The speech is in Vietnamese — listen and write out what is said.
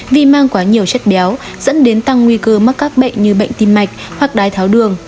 vì mang quá nhiều chất béo dẫn đến tăng nguy cơ mắc các bệnh như bệnh tim mạch hoặc đái tháo đường